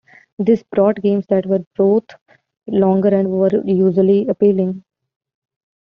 This brought games that were both longer and more visually appealing.